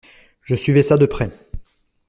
Je suivais ça de près.